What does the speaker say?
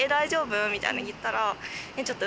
みたいに言ったら。